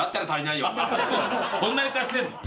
そんなに貸してんの？